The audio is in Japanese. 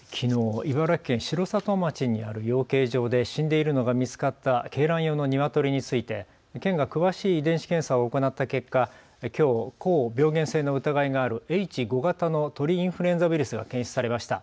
茨城県城里町にある養鶏場で死んでいるのが見つかった鶏卵用のニワトリについて県が詳しい遺伝子検査を行った結果、きょう高病原性の疑いがあるＨ５型の鳥インフルエンザウイルスが検出されました。